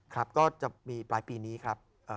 ครับก็จะมีปลายปีนี้ครับ